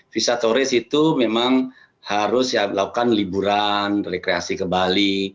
visa turis itu memang harus melakukan liburan rekreasi ke bali